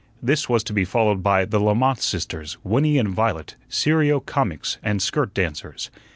This was to be followed by "The Lamont Sisters, Winnie and Violet, serio comiques and skirt dancers."